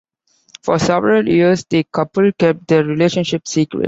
For several years, the couple kept their relationship secret.